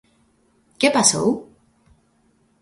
¿Que pasou?